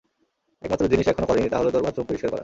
একমাত্র জিনিস এখনও করেনি তা হল তোর বাথরুম পরিষ্কার করা।